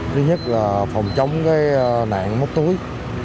thứ nhất là phòng chống nạn mất túi